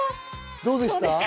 どうでした？